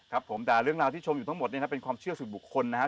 ครับผมแต่เรื่องราวที่ชมอยู่ทั้งหมดเนี่ยนะเป็นความเชื่อส่วนบุคคลนะครับ